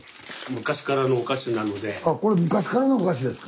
あこれ昔からのお菓子ですか。